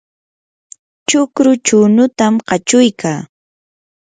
chukru chunutam kachuykaa.